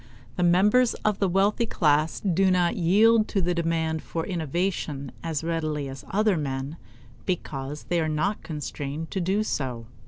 The members of the wealthy class do not yield to the demand for innovation as readily as other men because they are not constrained to do so.